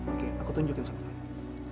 oke aku tunjukin sama kamu